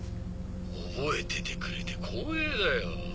覚えててくれて光栄だよ。